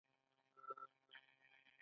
د میرمنو کار د ماشومانو واکسین مرسته ده.